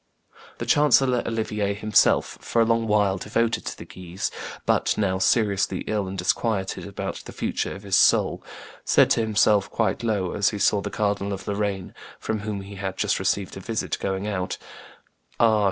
The Chancellor Olivier himself, for a long while devoted to the Guises, but now seriously ill and disquieted about the future of his soul, said to himself, quite low, as he saw the Cardinal of Lorraine, from whom he had just received a visit, going out, "Ah!